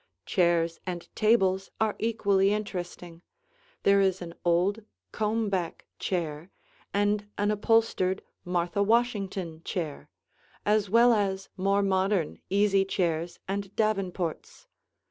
Chairs and tables are equally interesting; there is an old "comb back" chair and an upholstered "Martha Washington" chair, as well as more modern easy chairs and davenports.